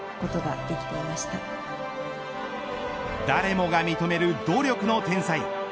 誰もが認める努力の天才。